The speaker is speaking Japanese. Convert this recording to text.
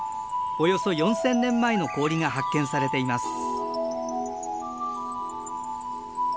およそ４，０００年前の氷が発見されています。